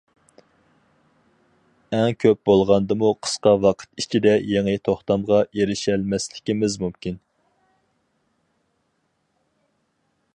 ئەڭ كۆپ بولغاندىمۇ قىسقا ۋاقىت ئىچىدە يېڭى توختامغا ئېرىشەلمەسلىكىمىز مۇمكىن.